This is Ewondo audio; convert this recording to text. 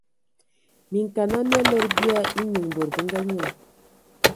Minkana mia lədə bia enyiŋ bod bə nga nyiŋ.